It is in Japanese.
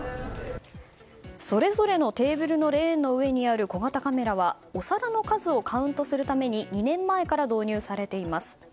それぞれのテーブルのレーンの上にある小型カメラはお皿の数をカウントするために２年前から導入されています。